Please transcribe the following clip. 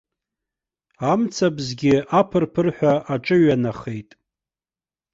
Амцабзгьы аԥырԥырҳәа аҿыҩанахеит.